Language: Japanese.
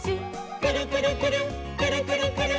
「くるくるくるっくるくるくるっ」